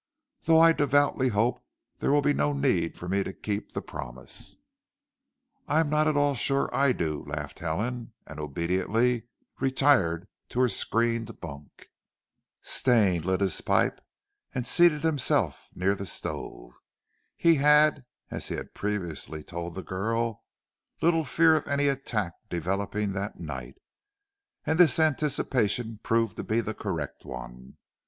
"Though I devoutly hope there will be no need for me to keep the promise." "I'm not at all sure I do," laughed Helen, and obediently retired to her screened bunk. Stane lit his pipe, and seated himself near the stove. He had, as he had previously told the girl, little fear of any attack developing that night, and this anticipation proved to be the correct one.